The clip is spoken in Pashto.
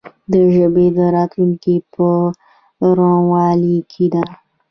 د ژبې راتلونکې په روڼوالي کې ده.